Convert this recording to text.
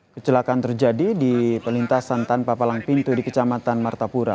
kecelakaan terjadi di pelintasan tanpa palang pintu di kecamatan martapura